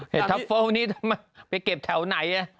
เห็ดทัฟเฟิลนี่ทำไมไปเก็บแถวไหนอะ